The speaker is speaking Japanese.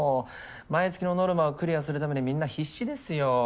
毎月のノルマをクリアするためにみんな必死ですよ。